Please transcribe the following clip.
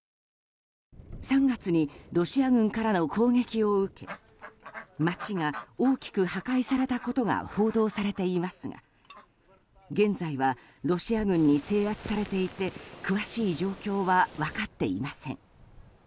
３月にロシア軍からの攻撃を受け街が大きく破壊されたことが報道されていますが現在はロシア軍に制圧されていて詳しい状況は分かっていません。